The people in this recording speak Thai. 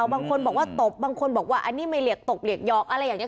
บางคนบอกว่าตบบางคนบอกว่าอันนี้ไม่เรียกตบเหลียอกอะไรอย่างนี้